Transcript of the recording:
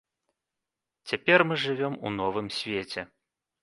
Цяпер мы жывём у новым свеце.